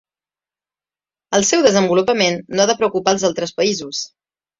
El seu desenvolupament no ha de preocupar els altres països.